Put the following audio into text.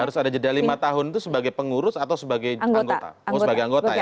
harus ada jeda lima tahun itu sebagai pengurus atau sebagai anggota